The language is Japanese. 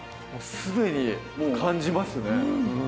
既に感じますね。